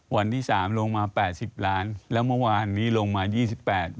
วันที่สามลงมา๘๐ล้านแล้วเมื่อวานนี้ลงมา๒๘ล้าน